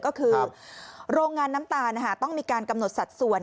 ก็คือโรงงานน้ำตาลต้องมีการกำหนดสัดส่วน